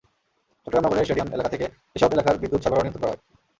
চট্টগ্রাম নগরের স্টেডিয়াম এলাকা থেকে এসব এলাকার বিদ্যুত্ সরবরাহ নিয়ন্ত্রণ করা হয়।